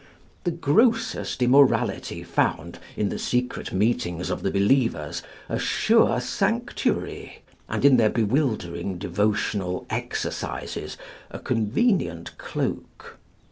The grossest immorality found in the secret meetings of the believers a sure sanctuary, and in their bewildering devotional exercises a convenient cloak.